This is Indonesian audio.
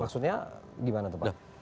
maksudnya gimana tuh pak